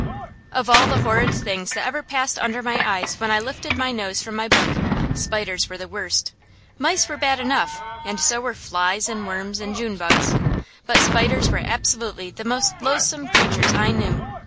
Of all the horrid things that ever passed under my eyes when I lifted my nose from my book, spiders were the worst. Mice were bad enough, and so were flies and worms and June bugs; but spiders were absolutely the most loathsome creatures I knew.